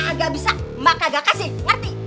kagak bisa emak kagak kasih ngerti